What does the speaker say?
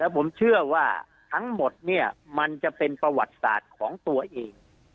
ผมเชื่อว่าทั้งหมดเนี่ยมันจะเป็นประวัติศาสตร์ของตัวเอง